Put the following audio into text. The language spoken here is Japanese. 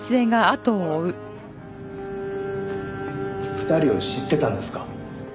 ２人を知ってたんですか？